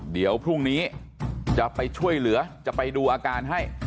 เดี๋ยวพรุ่งนี้จะไปช่วยเหลือจะไปดูอาการให้